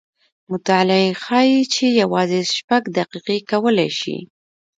مطالعې ښیې چې یوازې شپږ دقیقې کولی شي